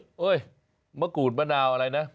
เฮ้ยมะกรูดมะนาวอะไรนะ